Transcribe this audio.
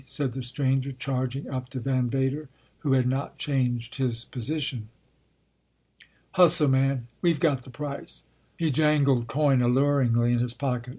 said the stranger, charging up to Van Vader, who had not changed his posi tion. " Hustle, man ! We ve got the price !" He jan gled coin alluringly in his pocket.